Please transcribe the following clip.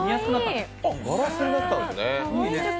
ガラスになったんですね。